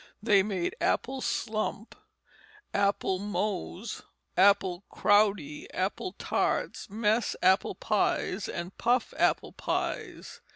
They made apple slump, apple mose, apple crowdy, apple tarts, mess apple pies, and puff apple pies.